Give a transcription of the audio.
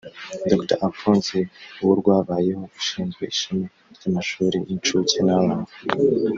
Dr Alphonse Uworwabayeho ushinzwe ishami ry’amashuri y’incuke n’abanza